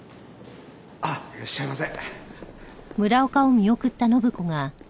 あっいらっしゃいませ。